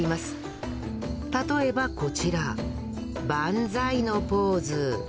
例えばこちらバンザイのポーズ。